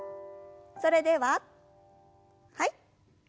それでははい。